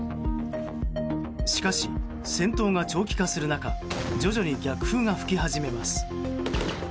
しかし、戦闘が長期化する中徐々に逆風が吹き始めます。